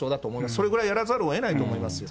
それぐらいやらざるをえないと思いますよ。